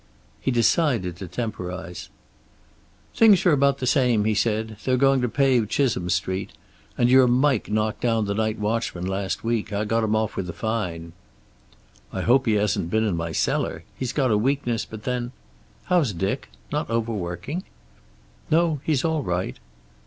He decided to temporize. "Things are about the same," he said. "They're going to pave Chisholm Street. And your Mike knocked down the night watchman last week. I got him off with a fine." "I hope he hasn't been in my cellar. He's got a weakness, but then How's Dick? Not overworking?" "No. He's all right."